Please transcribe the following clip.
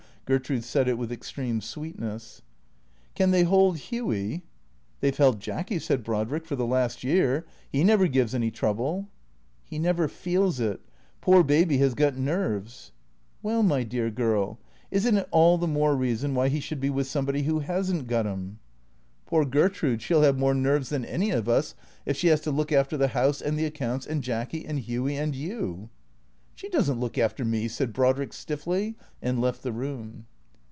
Gertrude said it with extreme sweetness. "Can they hold Hughy?" " They 've held Jacky," said Brodrick, " for the last year. He never gives any trouble." " He never feels it. Poor Baby has got nerves "" Well, my dear girl, is n't it all the more reason why he should be with somebody who has n't got 'em ?" 416 THE CKEA TORS " Poor Gertrude, she '11 have more nerves than any of us if she has to look after the house, and the accounts, and Jacky, and Hughy, and you "" She does n't look after me," said Brodrick stiffly, and left the room.